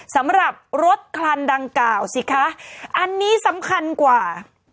สำหรับรถคันดังกล่าวสิคะอันนี้สำคัญกว่า